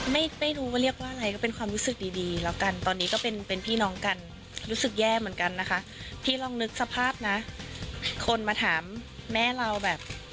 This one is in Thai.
ไม่รู้ว่าเรียกว่าอะไรก็เป็นความรู้สึกดีดีแล้วกันตอนนี้ก็เป็นเป็นพี่น้องกันรู้สึกแย่เหมือนกันนะคะพี่ลองนึกสภาพนะคนมาถามแม่เราแบบ